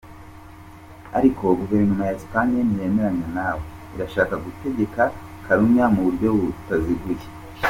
Ariko guverinoma ya Esipanye ntiyemeranya nawe ndetse irashaka gutegeka Katalunya mu buryo butaziguye.